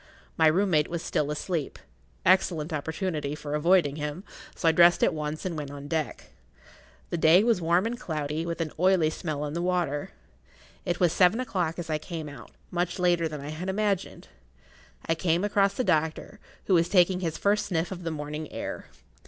My room mate was still asleep—excellent opportunity for avoiding him, so I dressed at once and went on deck. The day was warm and cloudy, with an oily smell on the water. It was seven o'clock as I came out—much later than I had imagined. I came across the doctor, who was taking his first sniff of the morning air.